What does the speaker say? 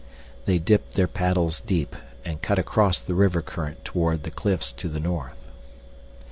They dipped their paddles deep and cut across the river current toward the cliffs to the north.